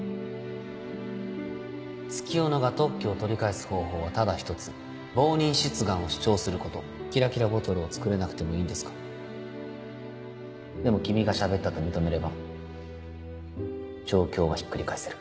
月夜野が特許を取り返す方法はただ一つ冒認出願を主張することキラキラボトルを作れなくてもいいんですでも君が喋ったと認めれば状況はひっくり返せる